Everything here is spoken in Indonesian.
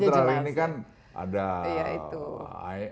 saya sendiri peng problematic